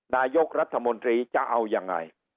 นายกรัฐมนตรีจะเอายังไง